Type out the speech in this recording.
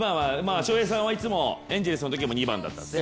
翔平さんはいつもエンゼルスのときも２番だったんですよ。